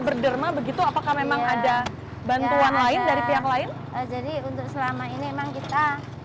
berderma begitu apakah memang ada bantuan lain dari pihak lain jadi untuk selama ini memang kita